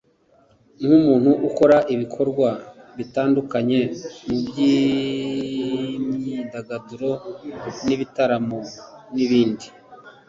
nkaba ndi no mu bayigize nk’umuntu ukora ibikorwa bitandukanye mu by’imyidagaduro nk’ibitaramo n’ibindi